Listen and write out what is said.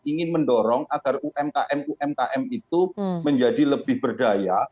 ingin mendorong agar umkm umkm itu menjadi lebih berdaya